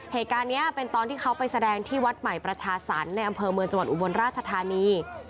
เหตุการณ์นี้เป็นตอนที่เขาไปแสดงที่วัดใหม่ประชาสรรค์ในอำเภอเมืองจังหวัดอุบลราชธานี